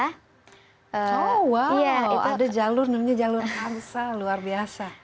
oh wow ada jalur namanya jalur kamsa luar biasa